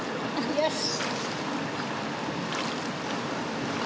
よし！